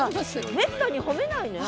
めったに褒めないのよ